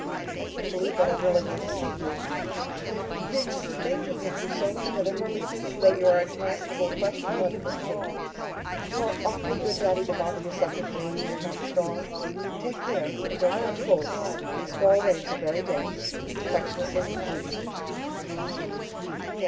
I can't believe that I am really going to see you I've been just THINKING you so long that it hardly seems as though you are a tangible flesh and blood person. You are awfully good, Daddy, to bother yourself with me, when you're not strong. Take care and don't catch cold. These fall rains are very damp. Affectionately, Judy PS.